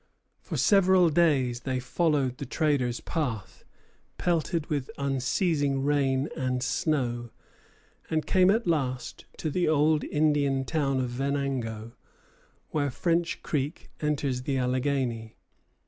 For several days they followed the traders' path, pelted with unceasing rain and snow, and came at last to the old Indian town of Venango, where French Creek enters the Alleghany.